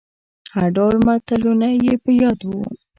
هر ډول متلونه يې په ياد وو.